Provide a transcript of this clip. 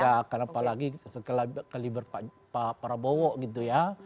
ya karena apalagi kaliber para bowo gitu ya